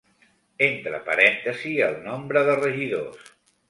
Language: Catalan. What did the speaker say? Entre parèntesis el nombre de regidors.